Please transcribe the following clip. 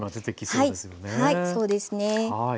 はいそうですね。